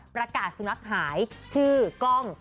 ประกาศสมัครหายชื่อกล้อง